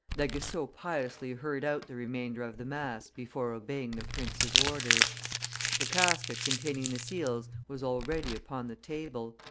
D'Aguesseau piously heard out the remainder of the mass before obeying the prince's orders. The casket containing the seals was already upon the table.